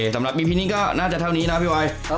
สำหรับอีพีนี้ก็น่าจะเท่านี้นะพี่บอย